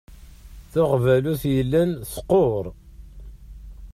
Taɣbalut yellan teqqur.